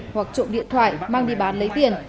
hoặc trộm điện thoại mang đi bán lấy tiền